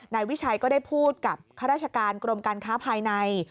นายวิชัยก็ได้พูดกับข้าราชการกรมการค้าภายใน